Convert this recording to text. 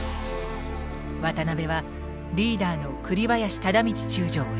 渡辺はリーダーの栗林忠道中将を演じた。